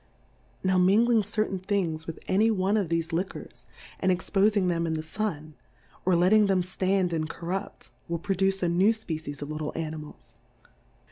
Now mingling certain Things with any one of thefe Liquors, and expofmg them in the Sun, or letting them Itand and corrupt, will produce a new Species of little Animals.